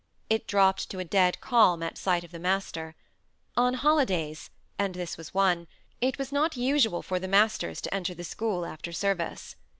It dropped to a dead calm at sight of the master. On holidays and this was one it was not usual for the masters to enter the school after service.